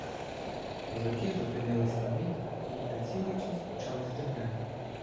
Козаки зупинилися на мить і, прицілившись, почали стріляти.